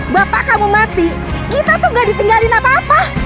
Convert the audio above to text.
bapak kamu mati kita tuh gak ditinggalin apa apa